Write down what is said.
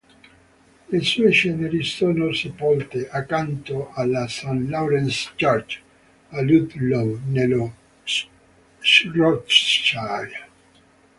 Le sue ceneri sono sepolte accanto alla St Laurence's Church, a Ludlow, nello Shropshire.